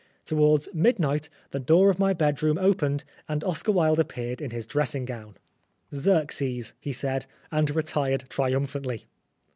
Towards midnight the door of my bedroom opened and Oscar Wilde appeared in his dressing gown. ''Xerxes," he said, and retired triumph antly.